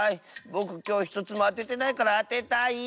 ぼくきょうひとつもあててないからあてたい。